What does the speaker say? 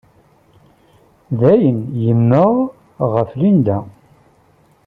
Dan yemmeɣ ɣef Linda.